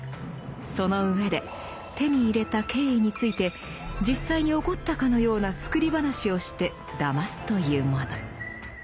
その上で手に入れた経緯について実際に起こったかのような作り話をしてだますというもの。